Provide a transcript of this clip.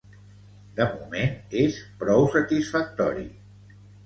De moment és prou satisfactori.